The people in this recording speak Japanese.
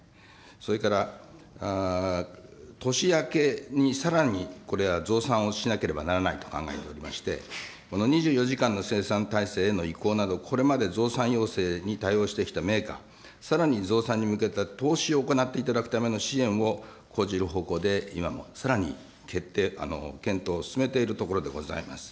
それから年明けにさらにこれは増産をしなければならないと考えておりまして、この２４時間の生産体制への移行など、これまで増産要請に対応してきたメーカー、さらに増産に向けた投資を行っていただくための支援を講じる方向で、今もさらに検討を進めているところでございます。